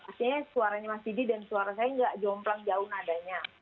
artinya suaranya mas didi dan suara saya nggak jomplang jauh nadanya